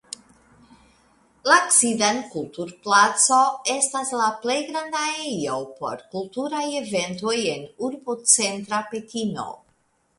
La Ksidan Kulturplaco estas la plej granda ejo por kulturaj eventoj en urbocentra Pekino.